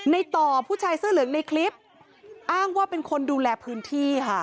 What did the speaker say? ต่อผู้ชายเสื้อเหลืองในคลิปอ้างว่าเป็นคนดูแลพื้นที่ค่ะ